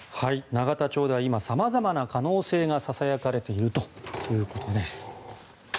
永田町では今、さまざまな可能性がささやかれているということです。